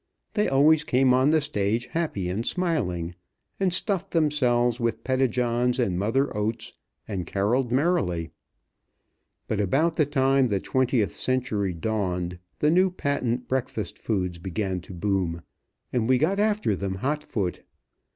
They always came on the stage happy and smiling, and stuffed themselves with Pettijohns and Mothers' Oats, and carolled merrily. But about the time the twentieth century dawned, the new patent breakfast foods began to boom; and we got after them hotfoot.